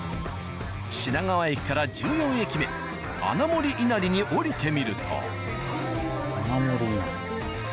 品川駅から１４駅目穴守稲荷に降りてみると。